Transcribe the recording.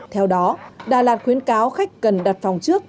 theo đó đà lạt khuyến cáo khách cần đặt phòng trước